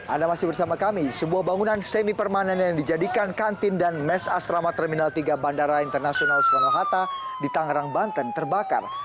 anda masih bersama kami sebuah bangunan semi permanen yang dijadikan kantin dan mes asrama terminal tiga bandara internasional soekarno hatta di tangerang banten terbakar